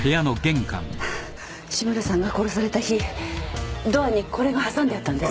志村さんが殺された日ドアにこれが挟んであったんです。